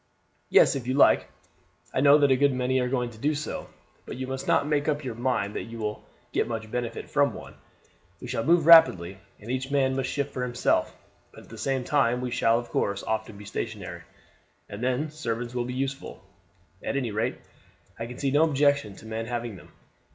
"Yes, if you like. I know that a good many are going to do so, but you must not make up your mind that you will get much benefit from one. We shall move rapidly, and each man must shift for himself, but at the same time we shall of course often be stationary; and then servants will be useful. At any rate I can see no objection to men having them.